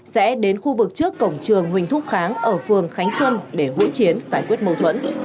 sẽ đến khu vực trước cổng trường huỳnh thúc kháng ở phường khánh xuân để hỗn chiến giải quyết mâu thuẫn